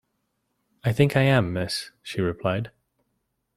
"I think I am, miss," she replied.